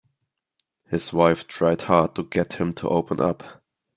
His wife tried hard to get him to open up.